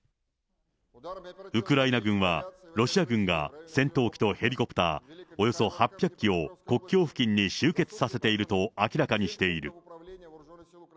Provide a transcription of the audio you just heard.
ウクライナ軍は、ロシア軍が戦闘機とヘリコプターおよそ８００機を国境付近に集結させていると明らかにしている。